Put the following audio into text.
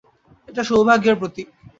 এটা সৌভাগ্যের প্রতীক।